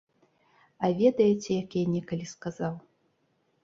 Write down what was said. А ведаеце, як я некалі сказаў?